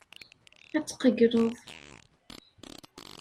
Ad tqeyyleḍ.